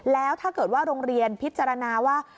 แล้วถ้าเกิดว่าโรงเรียนพิจารณาว่า